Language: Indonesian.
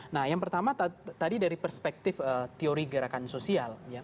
nah yang pertama tadi dari perspektif teori gerakan sosial